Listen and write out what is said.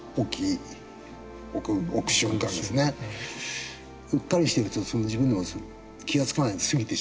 うっかりしていると自分でも気が付かないで過ぎてしまう。